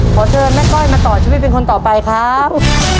ขอเชิญแม่ก้อยมาต่อชีวิตเป็นคนต่อไปครับ